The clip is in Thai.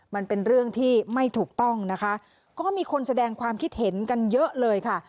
มันเป็นเรื่องที่ไม่ถูกต้องนะคะก็มีคนแสดงความคิดเห็นกันเยอะเลยค่ะ